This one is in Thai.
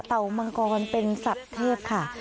มังกรเป็นสัตว์เทพค่ะ